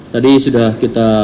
tadi sudah kita